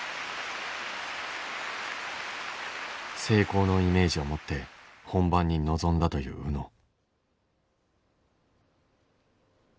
成功のイメージを持って本番に臨んだという宇野。